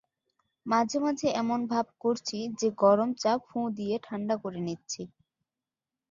মাঝে-মাঝে এমন ভাব করছি যে গরম চা ফুঁ দিয়ে ঠাণ্ডা করে নিচ্ছি।